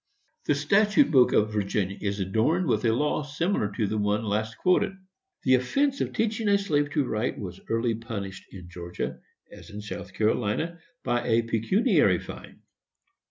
] The statute book of Virginia is adorned with a law similar to the one last quoted. [Sidenote: Stroud's Sketch, pp. 89, 90.] The offence of teaching a slave to write was early punished, in Georgia, as in South Carolina, by a pecuniary fine.